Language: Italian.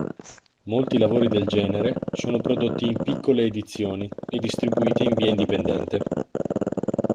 Molti lavori del genere sono prodotti in piccole edizioni e distribuite in via indipendente.